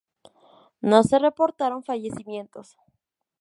No se reportaron fallecimientos.